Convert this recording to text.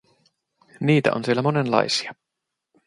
Niitä on siellä monenlaisia.